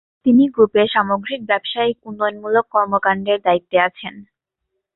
তিনি গ্রুপের সামগ্রিক ব্যবসায়িক উন্নয়নমূলক কর্মকান্ডের দায়িত্বে আছেন।